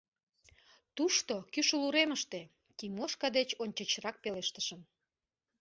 — Тушто, кӱшыл уремыште, — Тимошка деч ончычрак пелештышым.